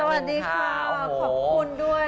สวัสดีค่ะขอบคุณด้วย